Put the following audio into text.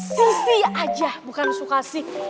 sisi aja bukan suka sih